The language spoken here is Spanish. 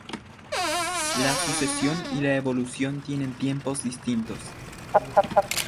La sucesión y la evolución tienen tempos distintos.